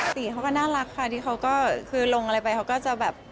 สีเขาก็น่ารักค่ะที่เขาก็คือลงอะไรไปเขาก็จะแบบ